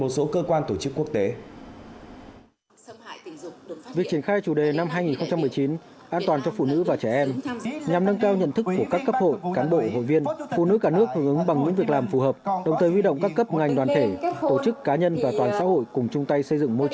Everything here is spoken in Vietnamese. ở xưa thầy hoàng kim thì một tuần